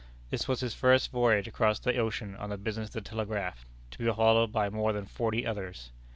This was his first voyage across the ocean on the business of the Telegraph to be followed by more than forty others.